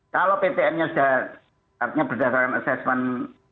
kalau ptm nya sudah artinya berdasarkan assessment